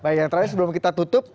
baik yang terakhir sebelum kita tutup